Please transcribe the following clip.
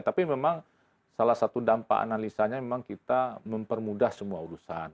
tapi memang salah satu dampak analisanya memang kita mempermudah semua urusan